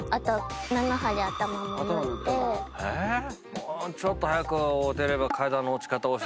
もうちょっと早く会うてれば。